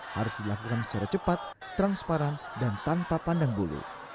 harus dilakukan secara cepat transparan dan tanpa pandang bulu